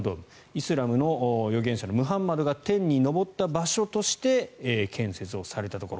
イスラムの預言者のムハンマドが天に昇った場所として建設をされたところ。